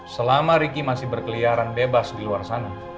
selama riki masih berkeliaran bebas di luar sana